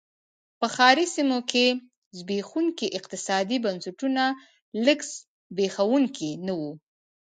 په ښاري سیمو کې زبېښونکي اقتصادي بنسټونه لږ زبېښونکي نه و.